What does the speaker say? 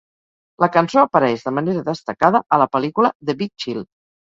La cançó apareix de manera destacada a la pel·lícula "The Big Chill".